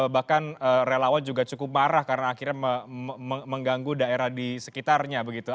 bahkan relawan juga cukup marah karena akhirnya mengganggu daerah di sekitarnya begitu